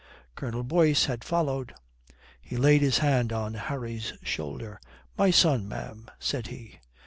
Colonel Boyce had followed. He laid his hand on Harry's shoulder: "My son, ma'am," said he.